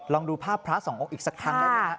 ลองดูภาพพระสององค์อีกสักครั้งได้ไหมฮะ